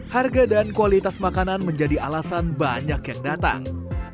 harga dan kualitas makanan menjadi alasan banyak yang datang